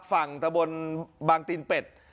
ฝั่งตะบนบางตีนเป็ด